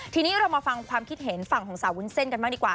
ทีนี้เรามาฟังความคิดเห็นฝั่งของสาววุ้นเส้นกันบ้างดีกว่า